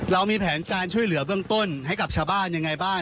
เรามีแผนการช่วยเหลือเบื้องต้นให้กับชาวบ้านยังไงบ้าง